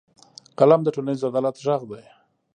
قلم د ټولنیز عدالت غږ دی